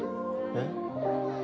えっ？